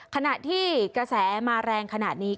ขณะที่กระแสมาแรงขนาดนี้